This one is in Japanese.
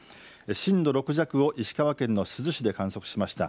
震度６弱を石川県の珠洲市で観測しました。